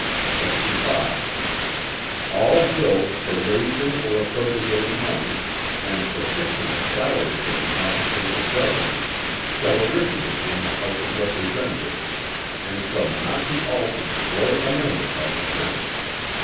Sect. 5. All bills for raising or appropriating money, and for fixing the salaries of the officers of government, shall originate in the House of Representatives, and shall not be altered or amended by the Senate.